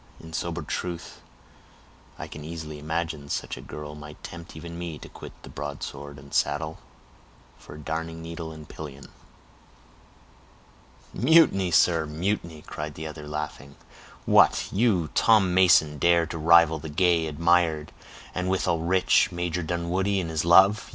In sober truth, I can easily imagine such a girl might tempt even me to quit the broadsword and saddle, for a darning needle and pillion." "Mutiny, sir, mutiny," cried the other, laughing. "What, you, Tom Mason, dare to rival the gay, admired, and withal rich, Major Dunwoodie in his love!